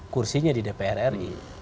kursinya di dpr ri